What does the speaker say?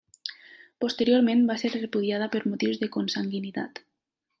Posteriorment va ser repudiada per motius de consanguinitat.